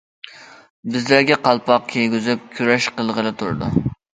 بىزلەرگە قالپاق كىيگۈزۈپ كۈرەش قىلغىلى تۇردى.